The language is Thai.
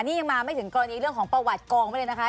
นี่ยังมาไม่ถึงกรณีเรื่องของประวัติกองไว้เลยนะคะ